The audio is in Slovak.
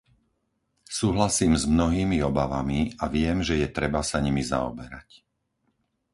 Súhlasím s mnohými obavami a viem, že je treba sa nimi zaoberať.